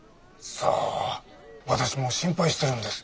さあ私も心配してるんです。